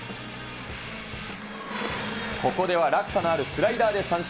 ここでは落差のあるスライダーで三振。